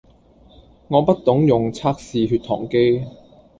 我不懂用測試血糖機